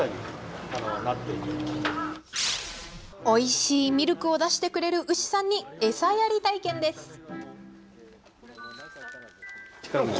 おいしいミルクを出してくれる牛さんに餌やり体験です。